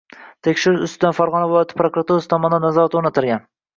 Tekshirish ustidan Farg‘ona viloyati prokuraturasi tomonidan nazorat o‘rnatilgan